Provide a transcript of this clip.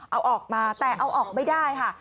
เอาออกมาแต่เอาออกไม่ได้ค่ะ